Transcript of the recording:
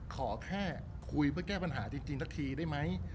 ขอแค่คุยเพื่อแก้ปัญหาจริงสักทีได้ไหม